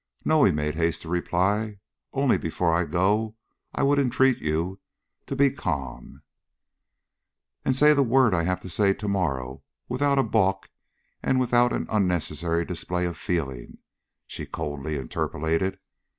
"No," he made haste to reply; "only before I go I would entreat you to be calm " "And say the word I have to say to morrow without a balk and without an unnecessary display of feeling," she coldly interpolated.